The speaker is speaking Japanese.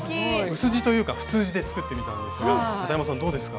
薄地というか普通地で作ってみたんですがかたやまさんどうですか？